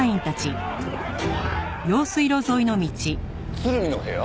鶴見の部屋？